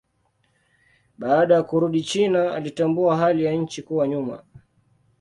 Baada ya kurudi China alitambua hali ya nchi kuwa nyuma.